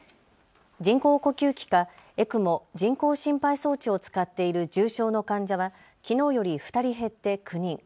人工呼吸器かＥＣＭＯ・人工心肺装置を使っている重症の患者はきのうより２人減って９人。